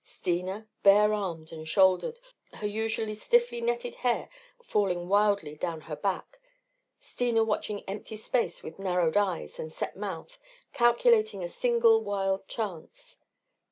Steena, bare armed and shouldered, her usually stiffly netted hair falling wildly down her back, Steena watching empty space with narrowed eyes and set mouth, calculating a single wild chance.